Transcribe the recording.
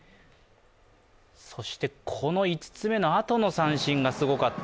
そしてこの５つ目のあとの三振がすごかった。